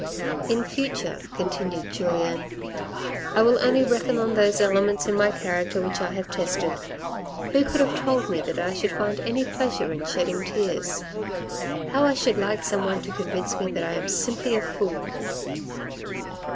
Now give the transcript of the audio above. " In future," continued Julien, " I will only reckon on those elements in my character which I have tested. Who could have told me that I should find any pleasure in shedding tears ? How I should like some one to convince me that I am simply a fool